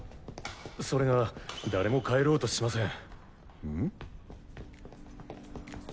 それが誰も帰ろうとしません。